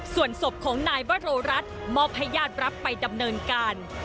ส่วนศพของนายวโรรัสมอบให้ญาติรับไปดำเนินการ